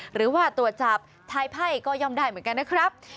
หรือว่าตรวจจับทายไพ่ก็ย่อมได้เหมือนกันนะครับ